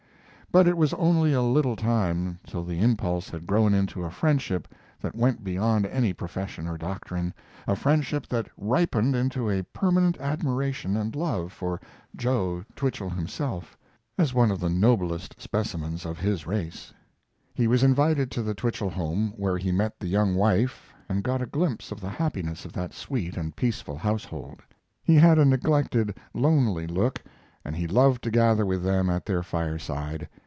But it was only a little time till the impulse had grown into a friendship that went beyond any profession or doctrine, a friendship that ripened into a permanent admiration and love for "Joe" Twichell himself, as one of the noblest specimens of his race. He was invited to the Twichell home, where he met the young wife and got a glimpse of the happiness of that sweet and peaceful household. He had a neglected, lonely look, and he loved to gather with them at their fireside.